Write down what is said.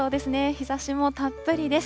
日ざしもたっぷりです。